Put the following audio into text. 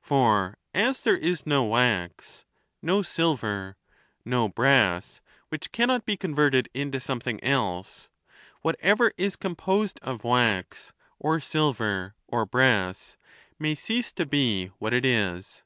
For as there is no wax, no silver, no brass which cannot be converted into something else, whatever is composed of wax, or silver, or brass may cease to be what it is.